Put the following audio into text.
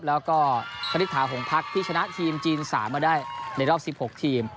แล้วก็คณิตถาหงพักที่ชนะทีมจีน๓มาได้ในรอบ๑๖ทีม